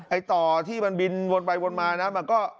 ต่อที่มันบินวนไปวนมานะมันก็